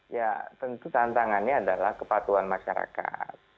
ya tentu tantangannya adalah kepatuhan masyarakat